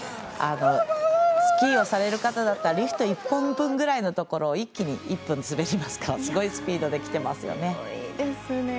スキーをされる方だったらリフト１本分くらいのところを一気にいきますからすごいスピードで来ていますね。